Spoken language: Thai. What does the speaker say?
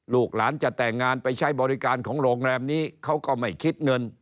ลูกหลานจะแต่งงานไปใช้บริการของโรงแรมนี้เขาก็ไม่คิดเงิน